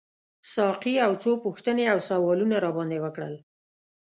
ساقي یو څو پوښتنې او سوالونه راباندي وکړل.